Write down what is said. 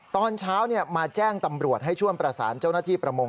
ตอนเช้ามาแจ้งตำรวจให้ช่วยประสานเจ้าหน้าที่ประมง